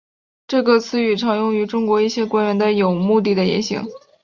这个词语常用于中国一些官员的有目的言行。